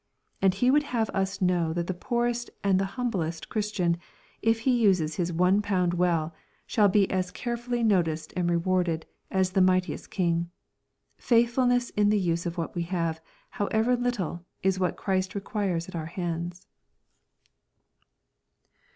And he would have us know that the poorest and the humblest Christian, if he uses his one pound well, shall bo as carefully no ticed and rewarded as the mightiest king. Faithfulness in the use of what we have, however little, is what Christ requires at oui hands.